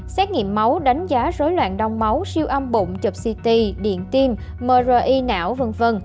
xét nghiệm máu đánh giá rối loạn đông máu siêu âm bụng chụp ct điện tim mri não v v